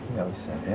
nggak usah ya